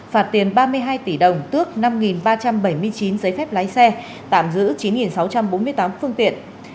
phạt tiền ba mươi hai tỷ đồng tước năm ba trăm bảy mươi chín giấy phép lái xe tạm giữ chín sáu trăm bốn mươi tám phương tiện